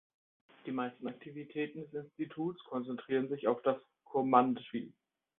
Die meisten Aktivitäten des Institutes konzentrieren sich auf das Kurmandschi.